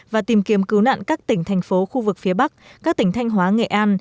và tìm kiếm cứu nạn các tỉnh thành phố khu vực phía bắc các tỉnh thanh hóa nghệ an